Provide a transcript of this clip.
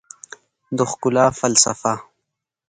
د ښکلا فلسفه